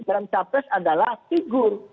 dalam capres adalah figur